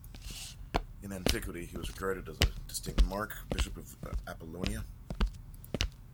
In antiquity he was regarded as a distinct Mark, Bishop of Apollonia.